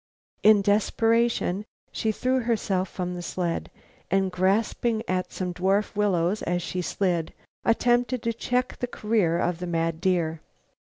In desperation, she threw herself from the sled, and, grasping at some dwarf willows as she slid, attempted to check the career of the mad deer.